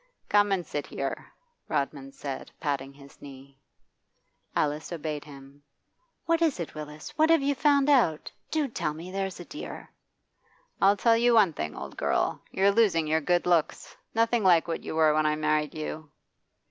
'Come and sit here,' Rodman said, patting his knee. Alice obeyed him. 'What is it, Willis? What have you found out? Do tell me, there's a dear!' 'I'll tell you one thing, old girl: you're losing your good looks. Nothing like what you were when I married you.